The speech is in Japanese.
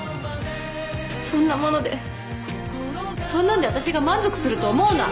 そんなものでそんなんで私が満足すると思うな。